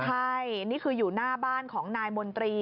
ใช่นี่คืออยู่หน้าบ้านของนายมนตรี